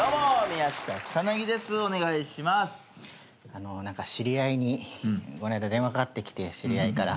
あの何か知り合いにこないだ電話かかってきて知り合いから。